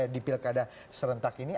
di pilkada serentak ini